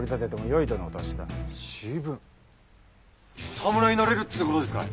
侍になれるっつうことですかい？